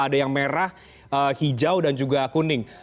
ada yang merah hijau dan juga kuning